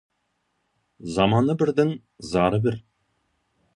Заманы бірдің — зары бір.